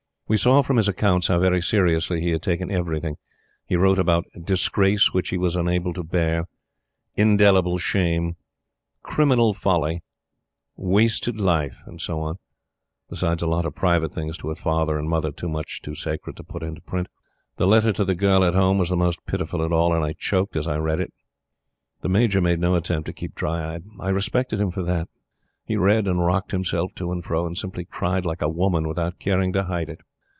We saw from his accounts how very seriously he had taken everything. He wrote about "disgrace which he was unable to bear" "indelible shame" "criminal folly" "wasted life," and so on; besides a lot of private things to his Father and Mother too much too sacred to put into print. The letter to the girl at Home was the most pitiful of all; and I choked as I read it. The Major made no attempt to keep dry eyed. I respected him for that. He read and rocked himself to and fro, and simply cried like a woman without caring to hide it.